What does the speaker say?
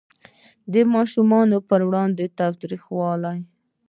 د ماشومانو په وړاندې تاوتریخوالی